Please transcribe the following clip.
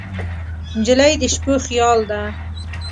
نجلۍ د شپو خیال ده.